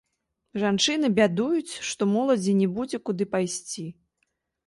Жанчыны бядуюць, што моладзі не будзе куды пайсці.